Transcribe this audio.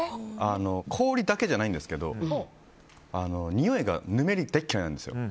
氷だけじゃないんですけどにおい、ぬめりが大嫌いなんですよ。